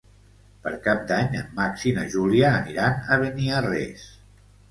Per Cap d'Any en Max i na Júlia aniran a Beniarrés.